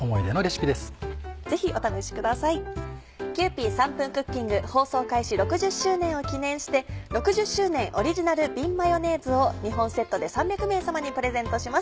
『キユーピー３分クッキング』放送開始６０周年を記念して６０周年オリジナル瓶マヨネーズを２本セットで３００名様にプレゼントします。